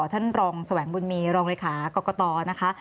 ท่านรองแสวงบุญมีร์รองริฐาโกกตนะคะ